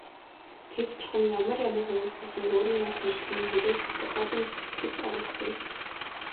Тэд чухам ямар ямар хүмүүс байсныг өөрийн олж мэдсэний хэрээр тодорхойлон бичих гэж оролдъё.